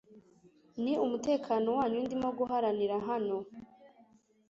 Ni umutekano wanyu ndimo guharanira hano .